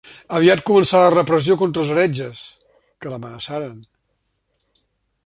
Aviat començà la repressió contra els heretges, que l'amenaçaren.